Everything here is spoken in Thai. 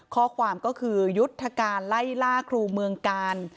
ข้อความก็คือยุทธการไล่ล่าครูเมืองกาล